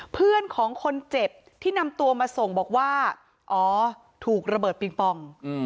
เพื่อนของคนเจ็บที่นำตัวมาส่งบอกว่าอ๋อถูกระเบิดปิงปอง